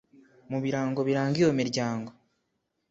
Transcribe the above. mu birango biranga iyo miryango